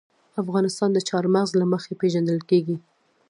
افغانستان د چار مغز له مخې پېژندل کېږي.